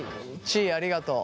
ちいありがとう。